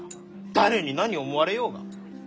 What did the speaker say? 誰に何を思われようが！